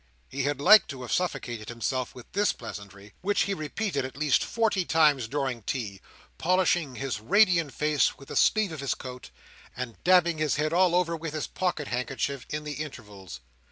He had like to have suffocated himself with this pleasantry, which he repeated at least forty times during tea; polishing his radiant face with the sleeve of his coat, and dabbing his head all over with his pocket handkerchief, in the intervals.